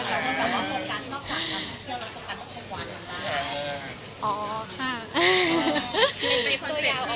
ก็แบบว่าเที่ยวรักกับกันก็คงหวานกันได้